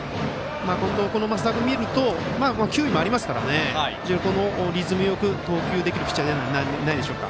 増田君見ると球威もありますからリズムよく投球できるピッチャーではないでしょうか。